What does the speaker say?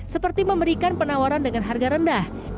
seperti memberikan penawaran dengan harga rendah